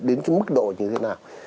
đến cái mức độ như thế nào